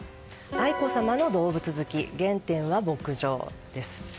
愛子さまの動物好き原点は牧場です。